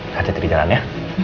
sajet di jalan ya